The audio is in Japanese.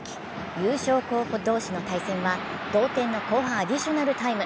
優勝候補同士の対戦は同点の後半アディショナルタイム。